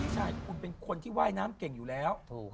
ใช่คุณเป็นคนที่ว่ายน้ำเก่งอยู่แล้ว